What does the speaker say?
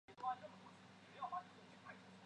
改建完成后奥里斯卡尼号在近海试航训练。